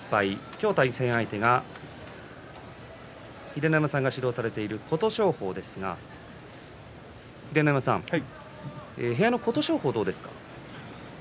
今日、対戦相手が秀ノ山さんが指導されている琴勝峰ですが、秀ノ山さん部屋の琴勝峰、どうですか？